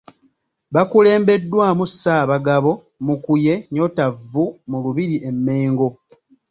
Bakulembeddwamu Ssaabagabo Mukuye Nyotavvu mu Lubiri e Mmengo.